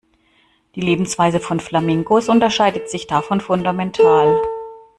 Die Lebensweise von Flamingos unterscheidet sich davon fundamental.